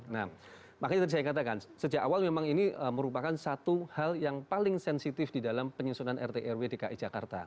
nah makanya tadi saya katakan sejak awal memang ini merupakan satu hal yang paling sensitif di dalam penyusunan rt rw dki jakarta